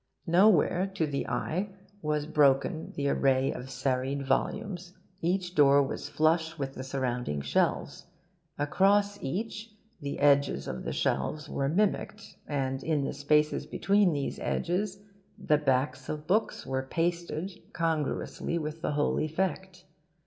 Nowhere, to the eye, was broken the array of serried volumes. Each door was flush with the surrounding shelves; across each the edges of the shelves were mimicked; and in the spaces between these edges the backs of books were pasted congruously with the whole effect.